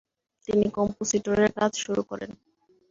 তিনি কম্পোসিটরের কাজ শুরু করেন।